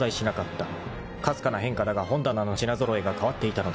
［かすかな変化だが本棚の品揃えが変わっていたのだ］